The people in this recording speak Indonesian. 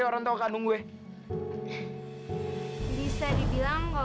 itu kan sari